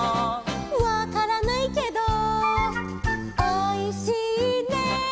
「わからないけどおいしいね」